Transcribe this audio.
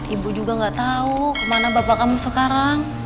ibu juga gak tahu kemana bapak kamu sekarang